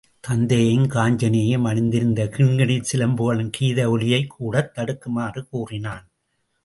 தத்தையும் காஞ்சனையும் அணிந்திருந்த கிண்கிணிச் சிலம்புகளின் கீத ஒலியைக் கூடத் தடுக்குமாறு கூறினான்.